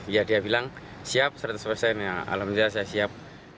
ya dia bilang siap seratus persen ya alhamdulillah saya siap